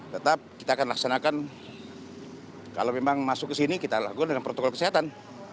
tetap kita akan laksanakan kalau memang masuk ke sini kita lakukan dengan protokol kesehatan